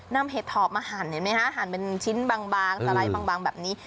เห็ดถอบมาหั่นเห็นไหมฮะหั่นเป็นชิ้นบางสไลด์บางแบบนี้